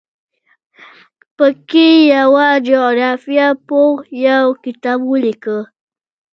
په کې یوه جغرافیه پوه یو کتاب ولیکه.